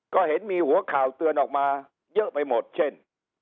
ก็เห็นมีหัวข่าวเตือนออกมาเยอะไปหมดเช่น